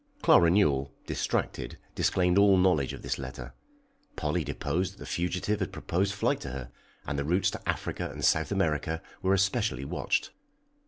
Clara Newell, distracted, disclaimed all knowledge of this letter. Polly deposed that the fugitive had proposed flight to her, and the routes to Africa and South America were especially watched.